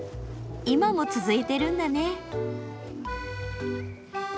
今も続いてるんだね。